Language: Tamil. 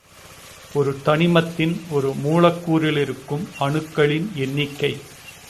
ஒரு தனிமத்தின் ஒரு மூலக்கூறிலிருக்கும் அணுக்களின் எண்ணிக்கை.